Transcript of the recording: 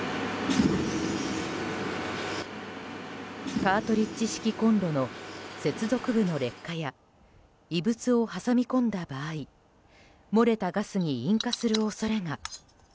カートリッジ式コンロの接続部の劣化や異物を挟み込んだ場合漏れたガスに引火する恐れが。